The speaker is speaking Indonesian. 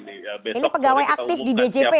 ini pegawai aktif di djp ya pak